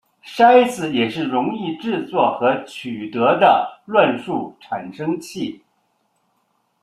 骰子也是容易制作和取得的乱数产生器。